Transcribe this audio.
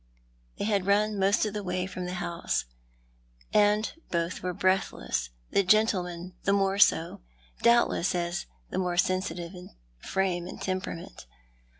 They had run most of the way from the house, and both were breathless, the gentleman the more so, doubtless as the more sensitive in frame and temperament.